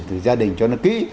từ gia đình cho nó kỹ